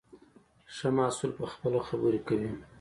ښه محصول پخپله خبرې کوي.